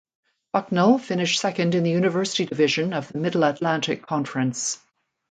Bucknell finished second in the University Division of the Middle Atlantic Conference.